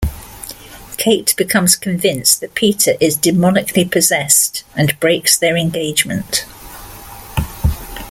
Kate becomes convinced that Peter is demonically possessed and breaks their engagement.